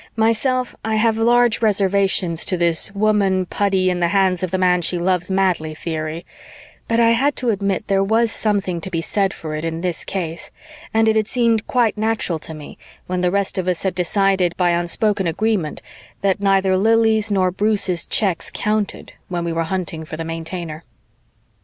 Myself, I have large reservations to this woman putty in the hands of the man she loves madly theory, but I had to admit there was something to be said for it in this case, and it had seemed quite natural to me when the rest of us had decided, by unspoken agreement, that neither Lili's nor Bruce's checks counted when we were hunting for the Maintainer.